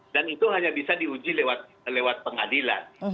itu hanya bisa diuji lewat pengadilan